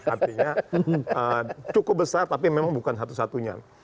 artinya cukup besar tapi memang bukan satu satunya